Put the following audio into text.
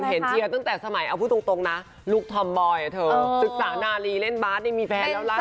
เชียร์ตั้งแต่สมัยเอาพูดตรงนะลูกธอมบอยเธอศึกษานาลีเล่นบาสนี่มีแฟนแล้วล่ะ